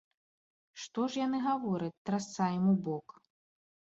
Што ж яны гавораць, трасца ім ў бок?